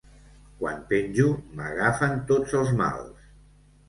Quan penjo m'agafen tots els mals.